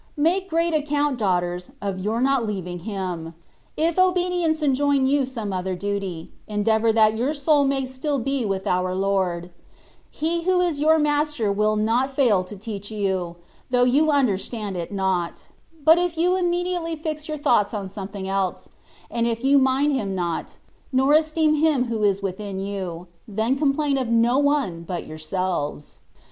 Make great aecoimt^ daughters^ of your not leaving Him. H obedience enjoin you some other duty^ endeavour that your soul may be still with our Lord : He who is your Master will not fail to teach you^ though you understand it not ; but if you immediately fix your thoughts on something else; and if you mind Him not^ nor esteem Him who is within you^ then complain of no one but yourselves.